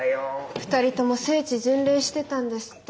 ２人とも聖地巡礼してたんですって。